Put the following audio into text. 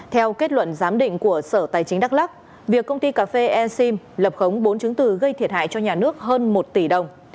theo kết luận giám định của sở tài chính đắk lắc việc công ty cà phê e sim lập khống bốn chứng từ gây thiệt hại cho nhà nước hơn một tỷ đồng